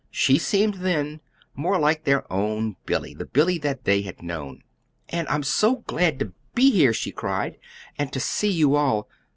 She seemed then more like their own Billy the Billy that they had known. "And I'm so glad to be here," she cried; "and to see you all.